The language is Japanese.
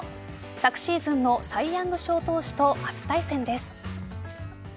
昨シーズンのサイ・ヤング賞投手と初対戦です。